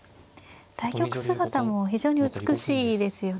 対局姿も非常に美しいですよね。